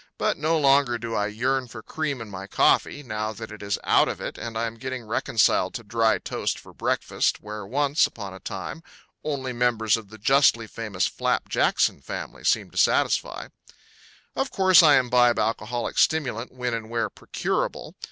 But no longer do I yearn for cream in my coffee, now that it is out of it, and I am getting reconciled to dry toast for breakfast, where once upon a time only members of the justly famous Flap Jackson family seemed to satisfy. Of course I imbibe alcoholic stimulant when and where procurable.